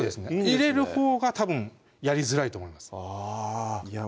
入れるほうがたぶんやりづらいと思いますあいや